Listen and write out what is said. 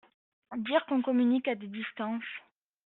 Dire qu’on communique à des distances !…